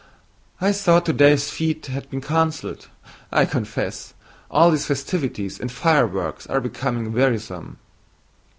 "I thought today's fete had been canceled. I confess all these festivities and fireworks are becoming wearisome."